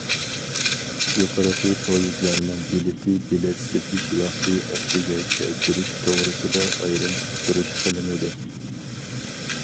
يۇقىرىقى پويىزلارنىڭ بېلىتى بېلەت سېتىش ۋاقتى ئەسلىگە كەلتۈرۈش توغرىسىدا ئايرىم ئۇقتۇرۇش قىلىنىدۇ.